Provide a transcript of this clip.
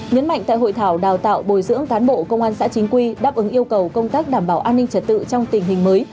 nhấn mạnh tại hội thảo đào tạo bồi dưỡng cán bộ công an xã chính quy đáp ứng yêu cầu công tác đảm bảo an ninh trật tự trong tình hình mới